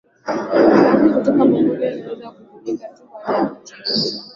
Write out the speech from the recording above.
Maji kutoka bombani yanaweza kutumika tu baada ya kuchemsha